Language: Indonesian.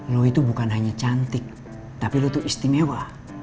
lo itu bukan hanya cantik tapi lo itu istimewa